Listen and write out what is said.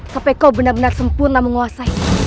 tapi kau benar benar sempurna menguasai